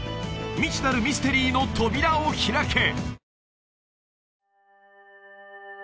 未知なるミステリーの扉を開け！